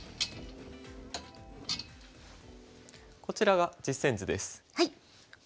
こちらが実戦図です。